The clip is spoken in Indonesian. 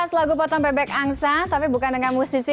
lagu potong bebek angsa tapi bukan dengan musisi